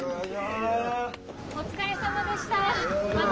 お疲れさまでした。